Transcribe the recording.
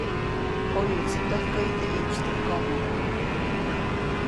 ʼOyuʼtsi täjkäyi teʼ ʼiʼpstäjkomo.